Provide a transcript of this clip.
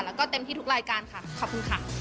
แล้วก็เต็มที่ทุกรายการค่ะขอบคุณค่ะ